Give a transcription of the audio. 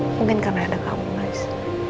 mungkin karena ada kamu mas